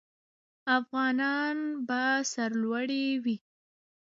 افغانان به سرلوړي وي.